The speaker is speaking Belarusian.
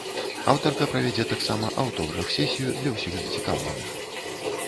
Аўтарка правядзе таксама аўтограф-сесію для ўсіх зацікаўленых.